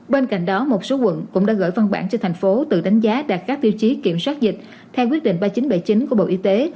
bên cạnh đó một số quận cũng đã gửi văn bản cho thành phố tự đánh giá đạt các tiêu chí kiểm soát dịch theo quyết định ba nghìn chín trăm bảy mươi chín của bộ y tế